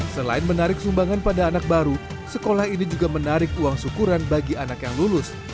selain menarik sumbangan pada anak baru sekolah ini juga menarik uang syukuran bagi anak yang lulus